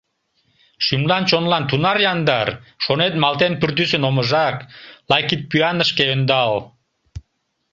Шӱмлан-чонлан тунар яндар — Шонет, малтен пӱртӱсын омыжак, Лай кидпӱанышке ӧндал…